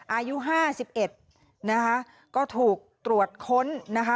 อายุ๕๑นะคะก็ถูกตรวจค้นนะคะ